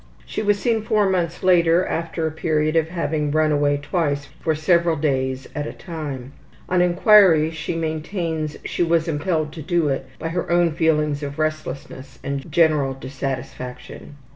She was seen four months later, after a period of having run away twice for several days at a time. On inquiry she maintains she was impelled to do it by her own feelings of restlessness and general dissatisfaction.